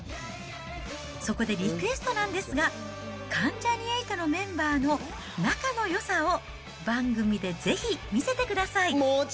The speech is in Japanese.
そこでリクエストなんですが、関ジャニ∞のメンバーの仲のよさを番組でぜひ見せてください。